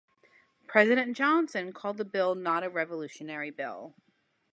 President Johnson called the bill not a revolutionary bill.